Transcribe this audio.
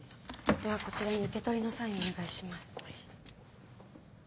ではこちらに受け取りのサインをお願いします。